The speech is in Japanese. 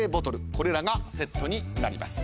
これらがセットになります。